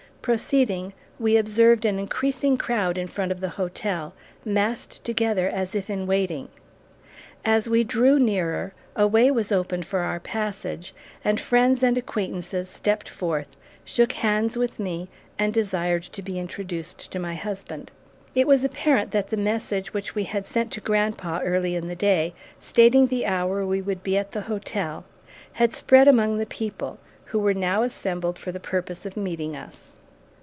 Proceeding, we observed an increasing crowd in front of the hotel, massed together as if in waiting. As we drew nearer, a way was opened for our passage, and friends and acquaintances stepped forth, shook hands with me and desired to be introduced to my husband. It was apparent that the message which we had sent to grandpa early in the day, stating the hour we would be at the hotel, had spread among the people, who were now assembled for the purpose of meeting us.